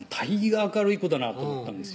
たいが明るい子だなと思ったんですよ